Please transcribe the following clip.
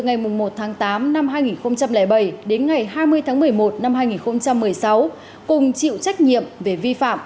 từ ngày một tháng tám năm hai nghìn bảy đến ngày hai mươi tháng một mươi một năm hai nghìn một mươi sáu cùng chịu trách nhiệm về vi phạm